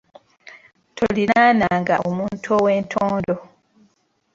Tolinaananga omuntu ow’entondo.